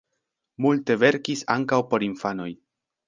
Multe verkis ankaŭ por infanoj.